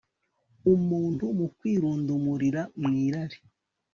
umuntu mu kwirundumurira mu irari